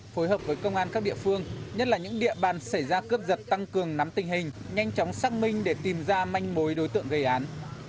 phối hợp với công an các địa phương nhất là những địa bàn xảy ra cướp giật tăng cường nắm tình hình nhanh chóng xác minh để tìm ra manh mối đối tượng gây án